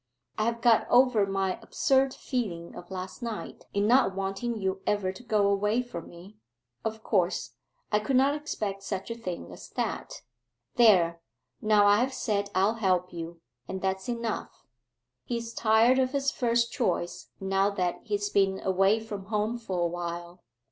I have got over my absurd feeling of last night in not wanting you ever to go away from me of course, I could not expect such a thing as that. There, now I have said I'll help you, and that's enough. He's tired of his first choice now that he's been away from home for a while.